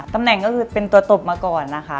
ตำแหน่งก็คือเป็นตัวตบมาก่อนนะคะ